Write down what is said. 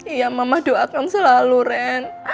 iya mama doakan selalu ren